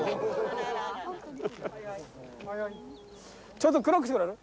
ちょっとクロックしてくれる？